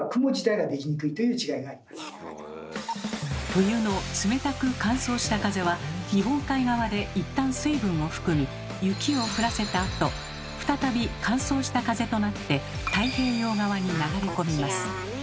冬の冷たく乾燥した風は日本海側でいったん水分を含み雪を降らせたあと再び乾燥した風となって太平洋側に流れ込みます。